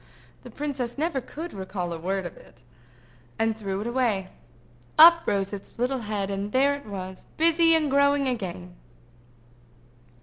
—the princess never could recall a word of it—and threw it away. Up rose its little head, and there it was, busy growing again!